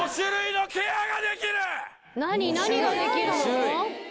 何ができるの？